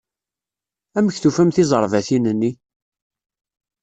Amek tufam tizerbatin-nni?